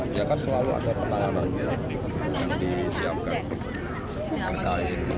di jepang selalu ada